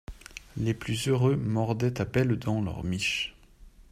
Les plus heureux mordaient à belles dents leur miche.